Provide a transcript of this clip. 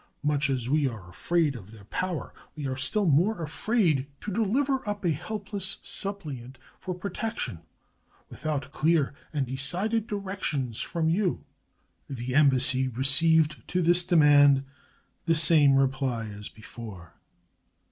Much as we are afraid of their power, we are still more afraid to dehver up a helpless suppliant for protection without clear and de cided directions from you." The embassy received to this demand the same reply as before.